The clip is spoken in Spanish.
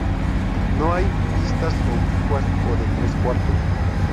No hay vistas oblicuas o de tres cuartos.